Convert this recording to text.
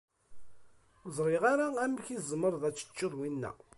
Ur ẓriɣ ara amek i tzemreḍ ad teččeḍ winna.